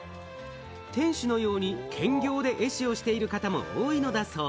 店主のように兼業で絵師をしている方も多いのだそう。